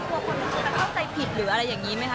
จริงแล้วพวกคุณเข้าใจผิดหรืออะไรอย่างนี้ไหมคะ